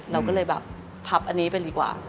เราก็เลยแบบพับอันนี้ไปดีกว่า